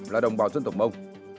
là đồng bào dân tộc mông